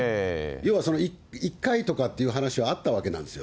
要は１回とかっていう話はあったわけなんですよ。